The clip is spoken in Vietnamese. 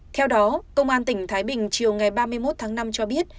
theo đó công an tỉnh thái bình chiều ngày ba mươi một tháng năm cho biết